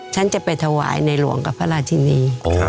ฉันจะไปถวายในหลวงกับพระราชินี